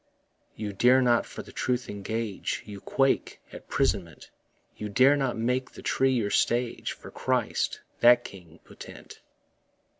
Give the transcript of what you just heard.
You dare not for the truth engage, You quake at 'prisonment; You dare not make the tree your stage For Christ, that King potent.